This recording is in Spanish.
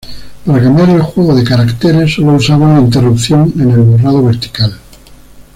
Para cambiar el juego de caracteres sólo usaba la interrupción en el borrado vertical.